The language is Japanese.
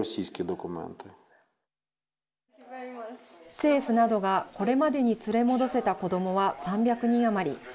政府などがこれまでに連れ戻せた子どもは３００人余り。